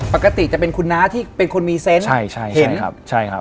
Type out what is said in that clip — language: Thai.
ปกติจะเป็นคุณน้าที่เป็นคนมีเซนต์ใช่ใช่เห็นครับใช่ครับ